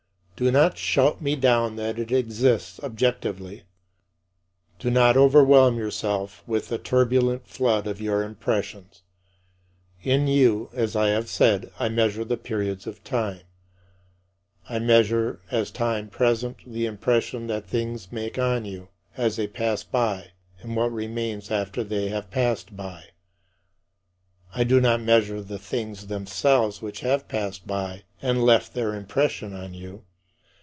Do not shout me down that it exists [objectively]; do not overwhelm yourself with the turbulent flood of your impressions. In you, as I have said, I measure the periods of time. I measure as time present the impression that things make on you as they pass by and what remains after they have passed by I do not measure the things themselves which have passed by and left their impression on you.